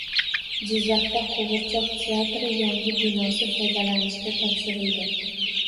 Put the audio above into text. Jizzaxda qoʻgʻirchoq teatri yangi binosi foydalanishga topshirildi